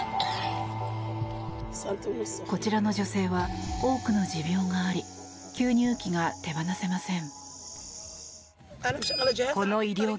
こちらの女性は多くの持病があり吸入器が手放せません。